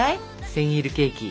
センイルケーキ。